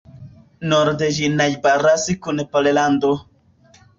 Norde ĝi najbaras kun Pollando.